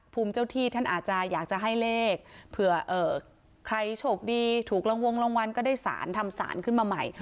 ภูมิเจ้าที่ท่านอาจจะอยากจะให้เลขเผื่อใครโชคดีถูกรางวัลวงรางวัลก็ได้สารทำสารขึ้นมาใหม่